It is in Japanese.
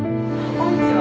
・こんにちは。